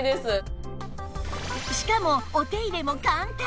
しかもお手入れも簡単